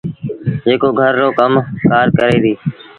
جيڪو گھر رو ڪم ڪآر ڪري ديٚ۔